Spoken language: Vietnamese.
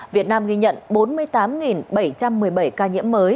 việt nam ghi nhận bốn mươi tám bảy trăm một mươi bảy ca nhiễm mới